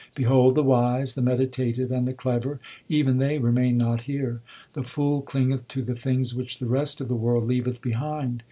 Behold the wise, the meditative, and the clever ; even they remain not here. The fool clingeth to the things which the rest of the world leaveth behind.